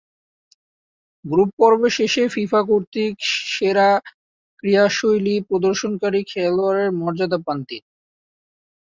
Group পর্ব শেষে FIFA কর্তৃক সেরা ক্রীড়াশৈলী প্রদর্শনকারী খেলোয়াড়ের মর্যাদা পান তিনি।